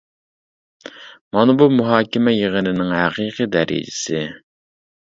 مانا بۇ مۇھاكىمە يىغىنىنىڭ ھەقىقىي دەرىجىسى.